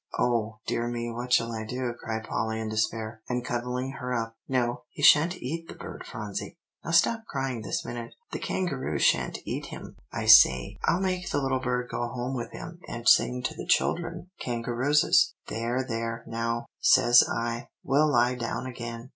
"Oh, dear me, what shall I do?" cried Polly in despair, and cuddling her up. "No, he sha'n't eat the bird, Phronsie; now stop crying this minute, the kangaroo sha'n't eat him, I say. I'll make the little bird go home with him, and sing to the children kangarooses there there now, says I, we'll lie down again."